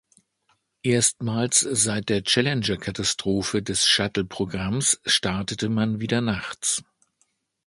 Erstmals seit der Challenger-Katastrophe des Shuttle-Programms startete man wieder nachts.